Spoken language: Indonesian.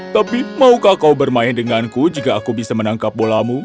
tapi maukah kau bermain denganku jika aku bisa menangkap bolamu